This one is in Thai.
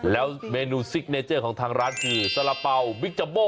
แล้วเมนูซิกเนเจอร์ของทางร้านคือสาระเป๋าบิ๊กจัมโบ